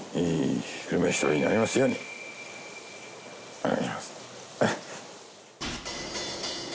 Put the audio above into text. お願いします。